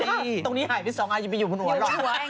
ตรงนี้ถึงให้สองราวอยู่บนหัวหรอ